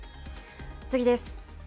次です。